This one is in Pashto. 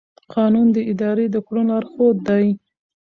قانون د ادارې د کړنو لارښود دی.